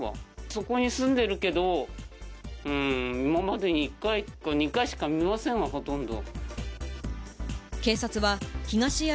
そこに住んでるけど、今までに１回か２回しか見ませんわ、ほとんど。